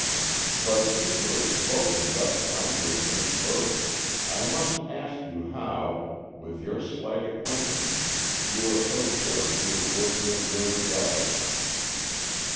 But since you have spoken thus frankly of Miss Burt, I must ask you how, with your slight acquaintance, you are so sure she is worthy of your regard."